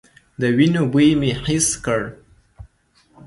د وينو بوی مې حس کړ.